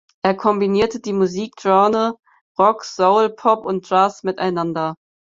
Er kombinierte die Musikgenres Rock, Soul, Pop und Jazz miteinander.